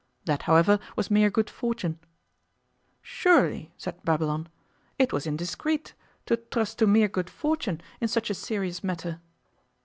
That, however, was mere good fortune.' 'Surely,' said Babylon, 'it was indiscreet to trust to mere good fortune in such a serious matter?